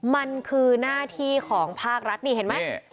มันคือหน้าที่ของภาครัฐนี่เห็นไหม